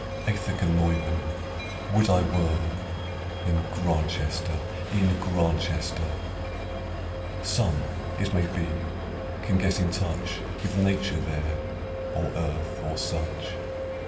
[Greek: eithe genoimên] ... Would I were In Grantchester, in Grantchester! Some, it may be, can get in touch With Nature there, or Earth, or such.